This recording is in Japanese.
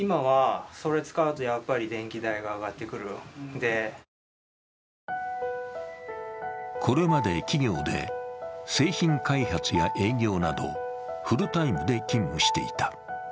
デスクワークの傍らこれまで企業で製品開発や営業などフルタイムで勤務していた。